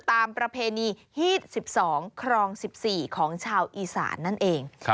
ตามประเพณี๑๒๑๔ของชาวอีสานั่นเอง